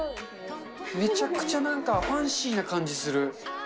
めちゃくちゃなんかファンシーな感じする。